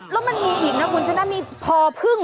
แล้วมันมีอีกนะคุณชนะมีพอพึ่ง